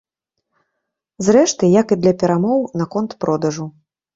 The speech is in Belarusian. Зрэшты, як і для перамоў наконт продажу.